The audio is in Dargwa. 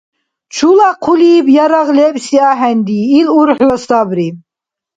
Чула хъулиб ярагъ лебси ахӀенри. Ил урхӀла сабри.